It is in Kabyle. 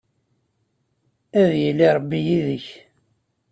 Ad yili Ṛebbi yid-k.